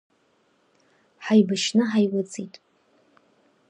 Ҳаибашьны ҳаилыҵит.